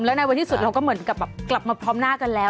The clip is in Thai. แล้วในวันที่สุดเราก็เหมือนกับแบบกลับมาพร้อมหน้ากันแล้ว